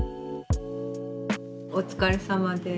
お疲れさまです。